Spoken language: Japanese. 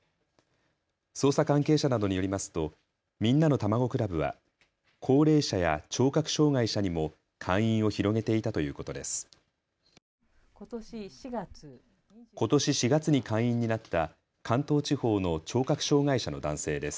捜査関係者などによりますとみんなのたまご倶楽部は高齢者や聴覚障害者にも会員を広げていたということです。